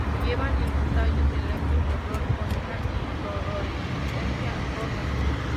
Se llevan en tallos erectos de flores con una inflorescencia rosa.